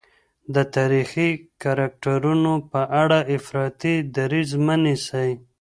د تاریخي کرکټرونو په اړه افراطي دریځ مه نیسئ.